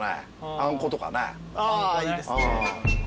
ああいいですね。